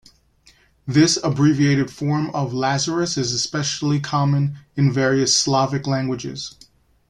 This abbreviated form of Lazarus is especially common in various Slavic languages.